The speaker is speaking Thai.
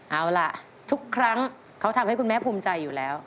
เอาล่ะทุกครั้งเขาทำให้คุณแม่ภูมิใจอยู่แล้ว